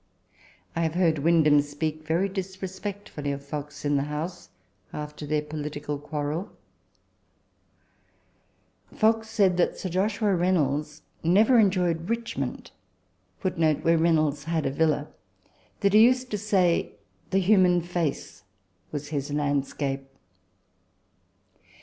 I have heard Windham speak very disrespectfully of Fox in the House, after their political quarrel. Fox said that Sir Joshua Reynolds never enjoyed Richmond * that he used to say the human face was his landscape.